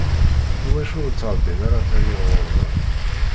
Iwacu ur ttṛebbin ara tiɣyal ɣur-neɣ?